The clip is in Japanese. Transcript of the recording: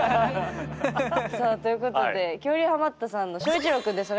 さあということで恐竜ハマったさんの翔一郎くんです。